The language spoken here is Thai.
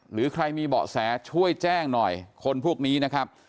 หรือใครมีเบาะแสช่วยแจ้งหน่อยคนพวกนี้นะครับ